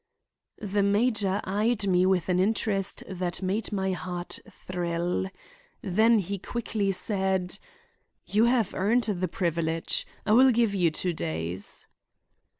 The major eyed me with an interest that made my heart thrill. Then he quickly said: "You have earned the privilege; I will give you two days."